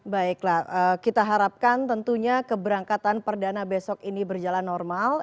baiklah kita harapkan tentunya keberangkatan perdana besok ini berjalan normal